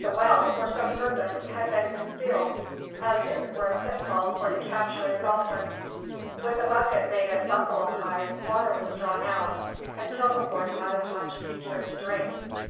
The well, for some purpose, had been concealed, as if it were a pitfall for the capturing of elephants. With a bucket made of buffalo hide, water was drawn out, until the horse had as much as he cared to drink.